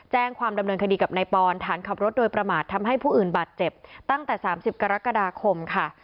แจ้งความดำเนินคดีกับนายปอนฐานขับรถโดยประมาททำให้ผู้อื่นบาดเจ็บตั้งแต่๓๐กรกฎาคมค่ะ